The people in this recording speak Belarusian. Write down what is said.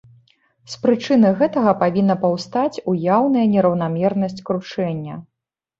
З прычыны гэтага павінна паўстаць уяўная нераўнамернасць кручэння.